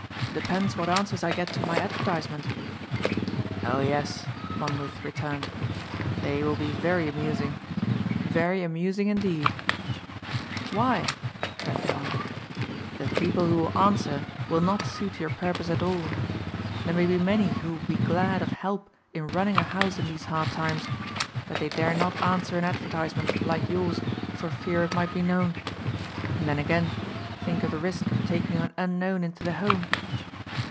"Depends what answers I get to my advertisement." "Oh yes," Monmouth returned, "they will be very amusing. Very amusing indeed." "Why?" Trent demanded. "Because the people who will answer will not suit your purpose at all. There may be many who would be glad of help in running a house in these hard times but they dare not answer an advertisement like yours for fear it might be known. And then again think of the risk of taking an unknown into the home?"